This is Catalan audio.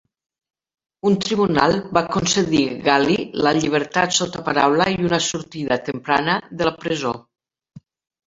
Un tribunal va concedir Galli la llibertat sota paraula i una sortida temprana de la presó.